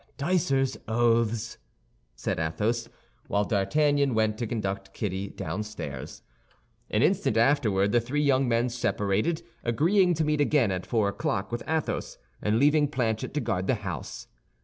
"Dicers' oaths!" said Athos, while D'Artagnan went to conduct Kitty downstairs. An instant afterward the three young men separated, agreeing to meet again at four o'clock with Athos, and leaving Planchet to guard the house.